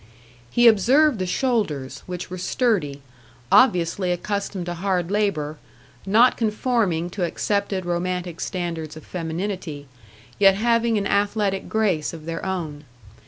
He observed the shoulders, which were sturdy, obviously accustomed to hard labour; not conforming to accepted romantic standards of femininity, yet having an athletic grace of their own.